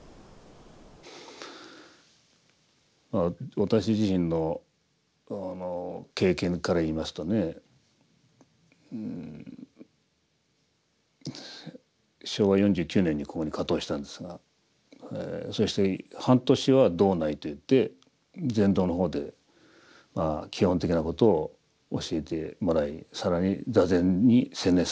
私自身の経験から言いますとね昭和４９年にここに掛搭したんですがそして半年は堂内といって禅堂の方で基本的なことを教えてもらい更に坐禅に専念させてもらった。